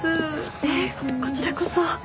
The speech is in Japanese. ええこちらこそ。